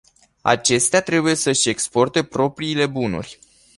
Acestea trebuie să își exporte propriile bunuri.